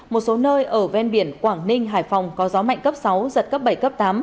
một số nơi ở ven biển quảng ninh hải phòng có gió mạnh cấp sáu giật cấp bảy cấp tám